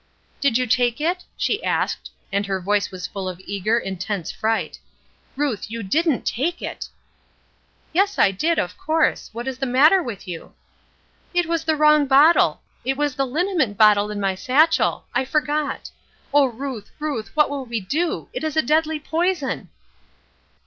"Did you take it?" she asked, and her voice was full of eager, intense fright. "Ruth, you didn't take it!" "Yes, I did, of course. What is the matter with you?" "It was the wrong bottle. It was the liniment bottle in my satchel. I forgot. Oh, Ruth, Ruth, what will we do? It is a deadly poison."